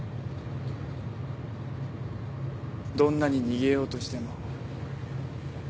どんなに逃げようとしても。